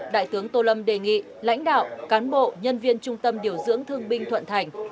đại tướng tô lâm đề nghị lãnh đạo cán bộ nhân viên trung tâm điều dưỡng thương binh thuận thành